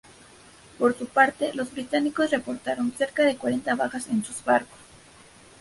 Por su parte los británicos reportaron cerca de cuarenta bajas en sus barcos.